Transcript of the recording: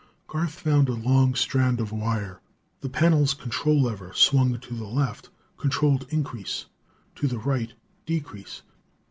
Garth found a long strand of wire. The panel's control lever, swung to the left, controlled increase; to the right, decrease.